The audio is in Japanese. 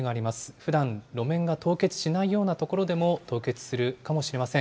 ふだん、路面が凍結しないような所でも凍結するかもしれません。